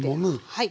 はい。